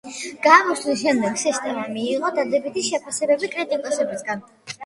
გამოსვლის შემდეგ სისტემამ მიიღო დადებითი შეფასებები კრიტიკოსებისგან.